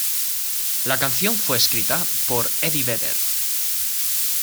La canción fue escrita por Eddie Vedder.